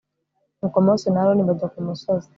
nuko mose na aroni bajya ku musozi